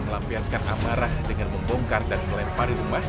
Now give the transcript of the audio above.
melampiaskan amarah dengan membongkar dan melempari rumah